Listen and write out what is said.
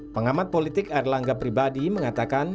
pengamat politik erlangga pribadi mengatakan